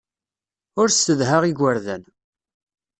Ur ssedhaɣ igerdan.